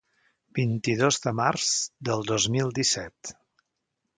Vint-i-dos de març del dos mil disset.